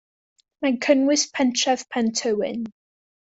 Mae'n cynnwys y pentref Pentywyn.